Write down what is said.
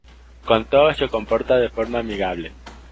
Con todos se comporta de forma amigable.